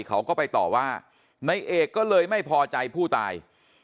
เขาก็ไปต่อว่านายเอกก็เลยไม่พอใจผู้ตาย